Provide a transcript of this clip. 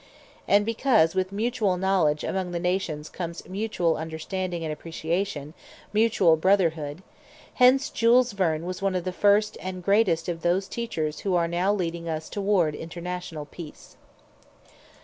And because with mutual knowledge among the nations comes mutual understanding and appreciation, mutual brotherhood; hence Jules Verne was one of the first and greatest of those teachers who are now leading us toward International Peace.